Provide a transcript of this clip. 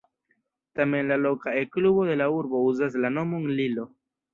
Tamen la loka E-klubo de la urbo uzas la nomon "Lillo".